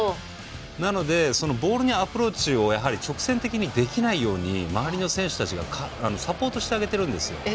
なので、ボールにアプローチを直線的にできないように周りの選手たちがサポートしてあげてるんですよ。